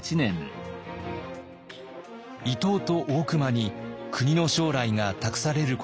伊藤と大隈に国の将来が託されることになりました。